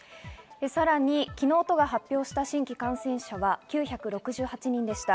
さらに昨日、都が発表した新規感染者は９６８人でした。